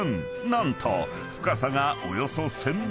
［何と深さがおよそ１，０００ｍ］